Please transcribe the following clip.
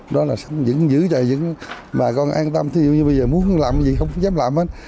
đó là giữ cho những bà con an tâm như bây giờ muốn làm gì không dám làm hết